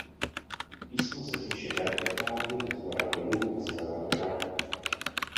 Písmo se píše vertikálně od shora dolů a zleva doprava.